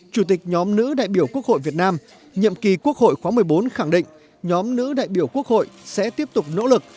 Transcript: chủ tịch nhóm nữ đại biểu quốc hội việt nam nhiệm kỳ quốc hội khóa một mươi bốn khẳng định nhóm nữ đại biểu quốc hội sẽ tiếp tục nỗ lực